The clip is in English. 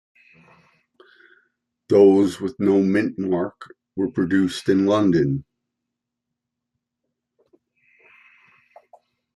Those with no mint mark were produced in London.